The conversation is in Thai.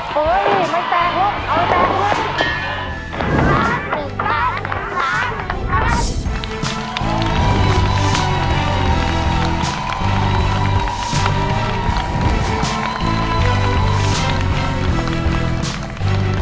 เฮ้ยไม่แตกหรอกเอาแตกให้